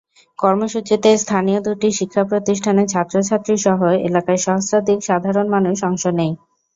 কর্মসূচিতে স্থানীয় দুটি শিক্ষাপ্রতিষ্ঠানের ছাত্রছাত্রীসহ এলাকার সহস্রাধিক সাধারণ মানুষ অংশ নেয়।